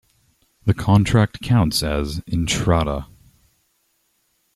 The contract counts as "Entrada".